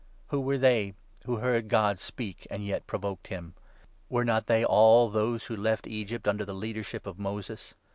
Who were they who heard God speak and yet provoked him ? Were not they all those who left Egypt under the leadership of Moses